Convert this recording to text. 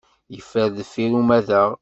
Yeffer deffir umadaɣ.